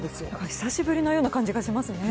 久しぶりのような感じがしますね。